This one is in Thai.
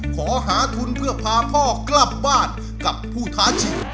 ขอหาทุนเพื่อพาพ่อกลับบ้านกับผู้ท้าชิง